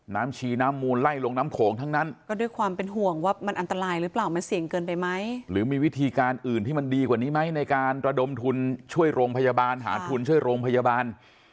ชีน้ำมูลไล่ลงน้ำโขงทั้งนั้นก็ด้วยความเป็นห่วงว่ามันอันตรายหรือเปล่ามันเสี่ยงเกินไปไหมหรือมีวิธีการอื่นที่มันดีกว่านี้ไหมในการระดมทุนช่วยโรงพยาบาลหาทุนช่วยโรงพยาบาล